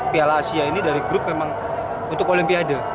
piala asia ini dari grup memang untuk olimpiade